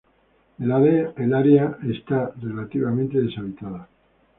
El área ha estado relativamente deshabitada.